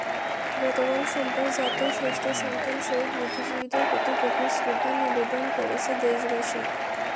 গতকাল সোমবার জাতির শ্রেষ্ঠসন্তান শহীদ বুদ্ধিজীবীদের প্রতি গভীর শ্রদ্ধা নিবেদন করেছে দেশবাসী।